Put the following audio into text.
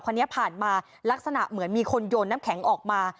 ที่ผ่านมาผ่านมาลักษณะเหมือนมีคนโยนน้ำแข็งออกมา